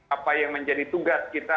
apa yang menjadi tugas kita